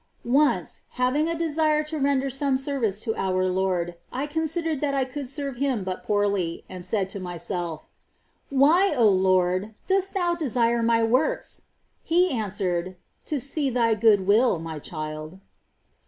15. Once, having a desire to render some service to our Lord, I considered that I could serve Him but poorly, and said to myself :" Why, Lord, dost Thou desire my works ?" And He answered : "To see thy good will. My child."